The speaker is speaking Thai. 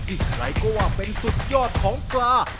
อีกอะไรก็ว่าเป็นสุดยอดของปลา